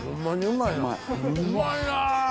うまいな！